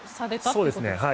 そうですね。